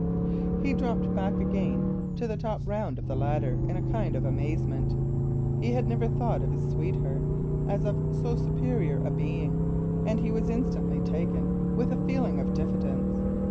He dropped back again to the top round of the ladder in a kind of amazement. He had never thought of his sweetheart as of so superior a being, and he was instantly taken with a feeling of diffidence.